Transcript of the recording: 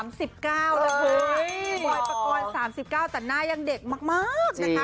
พี่บ๊อยปากว่า๓๙แต่หน้ายังเด็กมากนะคะ